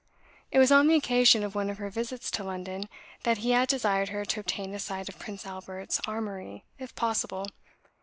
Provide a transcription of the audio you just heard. It was on the occasion of one of her visits to London that he had desired her to obtain a sight of Prince Albert's armoury, if possible.